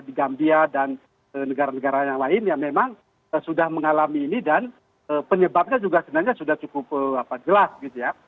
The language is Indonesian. di gambia dan negara negara yang lain yang memang sudah mengalami ini dan penyebabnya juga sebenarnya sudah cukup jelas gitu ya